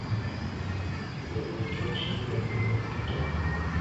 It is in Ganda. Abalimi tebasobola ttulakita.